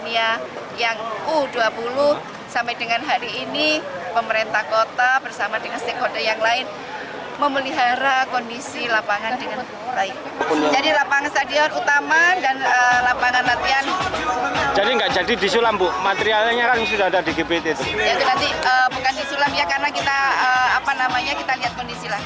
piala dunia u dua puluh sampai dengan hari ini pemerintah kota bersama dengan stakeholder yang lain memelihara kondisi lapangan dengan baik